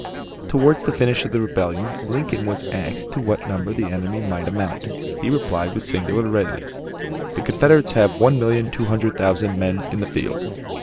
Toward the finish of the Rebellion, Lincoln was asked to what number the enemy might amount. He replied with singular readiness: "The Confederates have one million two hundred thousand men in the field."